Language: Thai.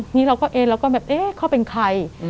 นี่เราก็เอ๊ะเราก็แบบเอ๊ะเขาเป็นใคร